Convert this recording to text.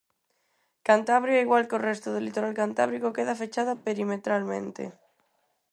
Cantabria Igual que o resto do litoral cantábrico, queda fechada perimetralmente.